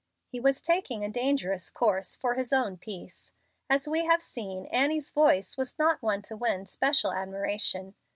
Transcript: He was taking a dangerous course for his own peace. As we have seen, Annie's voice was not one to win special admiration.